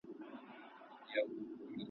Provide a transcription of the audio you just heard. د ونو ښکلا همدغه د ځنګدن ,